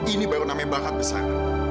ini baru namanya bakat besar